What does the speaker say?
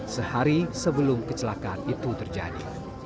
sehari sebelum kecelakaan itu terjadi